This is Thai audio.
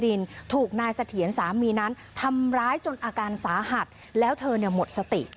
ถูกนายเสถียรสามีนั้นทำร้ายจนอาการสาหัสแล้วเธอเนี่ยหมดสติ